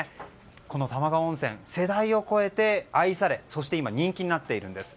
この玉川温泉世代を超えて愛され今、人気になっているんです。